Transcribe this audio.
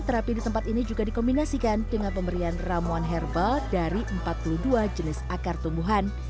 terapi di tempat ini juga dikombinasikan dengan pemberian ramuan herbal dari empat puluh dua jenis akar tumbuhan